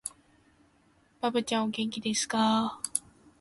ばぶちゃん、お元気ですかー